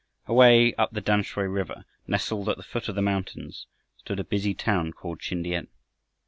Away up the Tamsui river, nestled at the foot of the mountains, stood a busy town called Sin tiam.